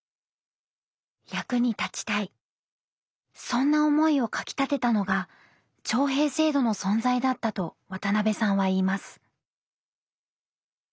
そんな思いをかきたてたのが徴兵制度の存在だったと渡辺さんは言います。